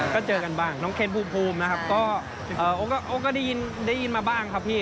ก็เจอกันบ้างน้องเคนภูมินะครับก็ได้ยินมาบ้างครับพี่